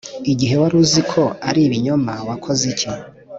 igihe wari uzi ko ari ibinyoma wakoze iki.